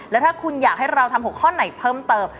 แล้วถ้าคุณอยากให้เราทำ๖ข้อไหนเพิ่มเติม